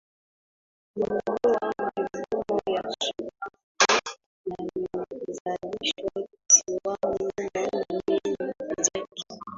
Ulinunua mavuno ya sukari inayozalishwa kisiwani humo na meli zake